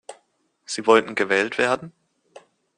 Sie wollten gewählt werden.